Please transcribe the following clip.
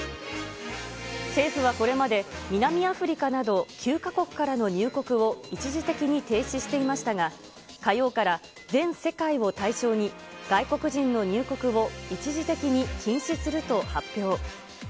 政府はこれまで、南アフリカなど、９か国からの入国を一時的に停止していましたが、火曜から全世界を対象に、外国人の入国を一時的に禁止すると発表。